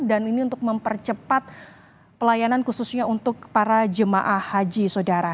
dan ini untuk mempercepat pelayanan khususnya untuk para jemaah haji saudara